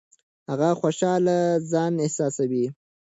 هغه خوشاله ځان احساساوه.